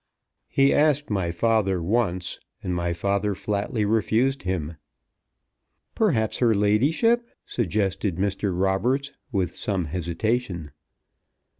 "He asked my father once, and my father flatly refused him." "Perhaps her ladyship ," suggested Mr. Roberts, with some hesitation.